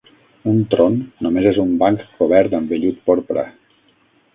Un tron només és un banc cobert amb vellut porpra.